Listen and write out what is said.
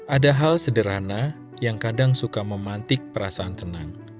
ada hal sederhana yang kadang suka memantik perasaan tenang